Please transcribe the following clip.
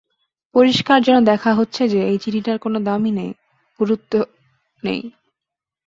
পরিস্কার যেন দেখা হচ্ছে যে, এই চিঠিটার কোনোই দাম নেই, গুরুত্ব নেই।